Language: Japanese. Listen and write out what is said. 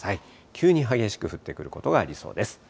急に激しく降ってくることがありそうです。